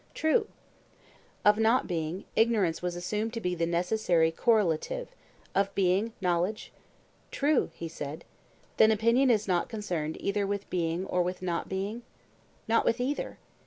True. Of not being, ignorance was assumed to be the necessary correlative; of being, knowledge? True, he said. Then opinion is not concerned either with being or with not being? Not with either.